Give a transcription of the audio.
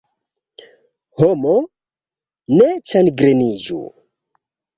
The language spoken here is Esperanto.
Homo, ne ĉagreniĝu!